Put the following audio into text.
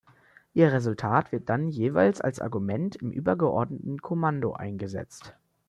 Ihr Resultat wird dann jeweils als Argument im übergeordneten Kommando eingesetzt.